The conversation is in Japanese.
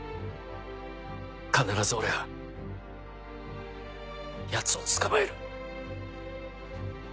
必ず俺がヤツを捕まえる。